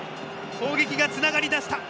攻撃がつながりだした。